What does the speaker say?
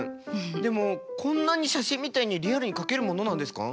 でもこんなに写真みたいにリアルに描けるものなんですか？